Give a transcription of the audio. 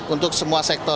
untuk semua sektor